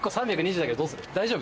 大丈夫？